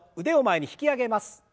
腕を前に引き上げます。